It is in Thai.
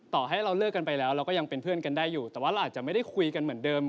ต่อให้เราเลิกกันไปแล้วเราก็ยังเป็นเพื่อนกันได้อยู่แต่ว่าเราอาจจะไม่ได้คุยกันเหมือนเดิม